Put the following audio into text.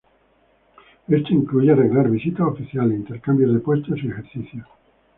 Esto incluye arreglar visitas oficiales, intercambios de puestos y ejercicios.